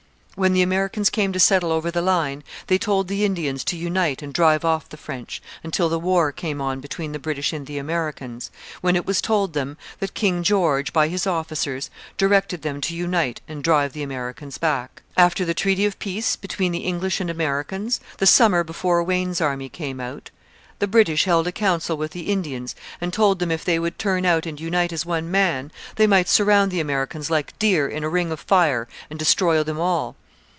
When the Americans came to settle over the line, they told the Indians to unite and drive off the French, until the war came on between the British and the Americans, when it was told them that King George, by his officers, directed them to unite and drive the Americans back. After the treaty of peace between the English and Americans, the summer before Wayne's army came out, the British held a council with the Indians and told them if they would turn out and unite as one man, they might surround the Americans like deer in a ring of fire and destroy them all.